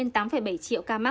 cảm ơn các em